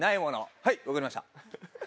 はいわかりました。